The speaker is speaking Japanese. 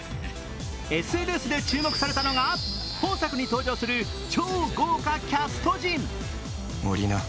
ＳＮＳで注目されたのが、本作に登場する超豪華キャスト陣。